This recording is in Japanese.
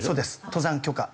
登山許可。